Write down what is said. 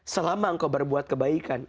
selama engkau berbuat kebaikan